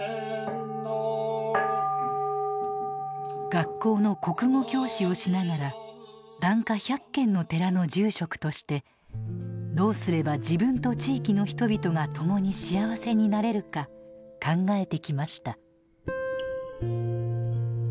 学校の国語教師をしながら檀家１００軒の寺の住職としてどうすれば自分と地域の人々が共に幸せになれるか考えてきました。